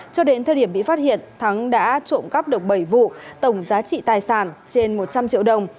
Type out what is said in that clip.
cho đến thời điểm bị phát hiện thắng đã trộm cắp được bảy vụ tổng giá trị tài sản trên một trăm linh triệu đồng